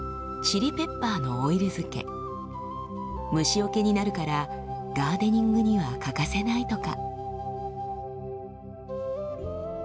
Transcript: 虫よけになるからガーデニングには欠かせないとか。